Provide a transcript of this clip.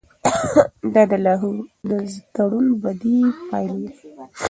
دا د لاهور د تړون بدې پایلې وې.